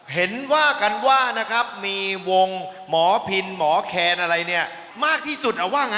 เห็นว่ากันว่าเนี่ยครับมีวง